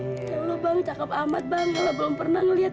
insya allah bang cakep amat bang kalau belum pernah melihat